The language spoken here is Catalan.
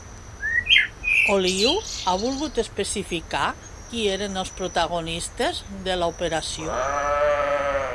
Oliu ha volgut especificar qui eren els protagonistes de l'operació?